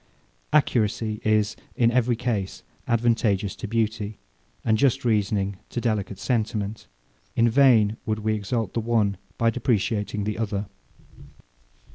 Accuracy is, in every case, advantageous to beauty, and just reasoning to delicate sentiment. In vain would we exalt the one by depreciating the other.